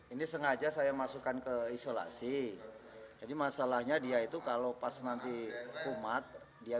ini sengaja saya masukkan ke isolasi jadi masalahnya dia itu kalau pas nanti umat dia